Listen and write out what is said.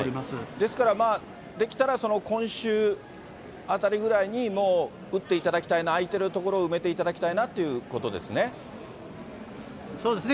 ですから、できたら今週あたりぐらいまでにもう打っていただきたいな、空いてるところを埋めていただきたいなということですね？